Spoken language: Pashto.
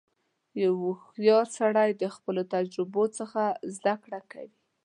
• یو هوښیار سړی د خپلو تجربو څخه زدهکړه کوي.